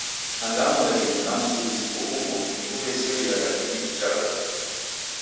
Anduamweri na msughusiko ugho ni kuw'eseriaiji jichagha tu.